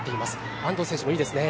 安藤選手もいいですね。